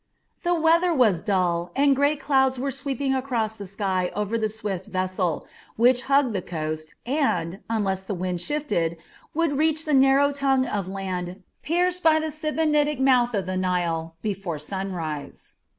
The weather was dull, and gray clouds were sweeping across the sky over the swift vessel, which hugged the coast, and, unless the wind shifted, would reach the narrow tongue of land pierced by the Sebennytic mouth of the Nile before sunrise.